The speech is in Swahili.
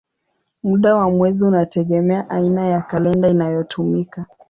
Muda wa mwezi unategemea aina ya kalenda inayotumika.